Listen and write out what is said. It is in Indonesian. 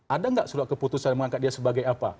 ada nggak surat keputusan mengangkat dia sebagai apa